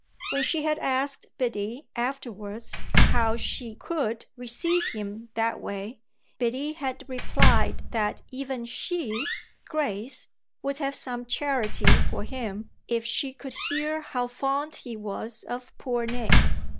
When she had asked Biddy afterwards how she could receive him that way Biddy had replied that even she, Grace, would have some charity for him if she could hear how fond he was of poor Nick.